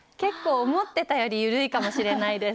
結構思ってたより緩いかもしれないです。